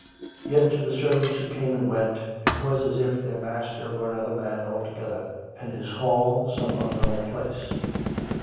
Yet to the servants who came and went, it was as if their master were another man altogether, and his hall some unknown place.